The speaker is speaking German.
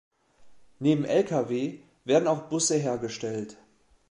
Neben Lkw werden auch Busse hergestellt.